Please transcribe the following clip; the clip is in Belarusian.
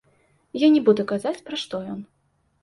Я не буду казаць, пра што ён.